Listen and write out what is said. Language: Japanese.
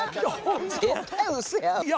絶対うそや。